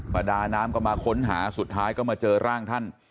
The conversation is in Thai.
ประดาน้ำก็มาค้นหาสุดท้ายก็มาเจอร่างท่าน